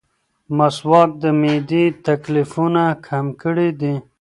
مسواک د معدې تکلیفونه کم کړي دي.